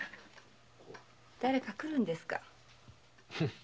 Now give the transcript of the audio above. だれか来るんですか？